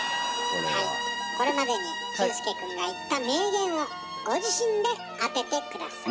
これまでに俊介くんが言った名言をご自身で当てて下さい。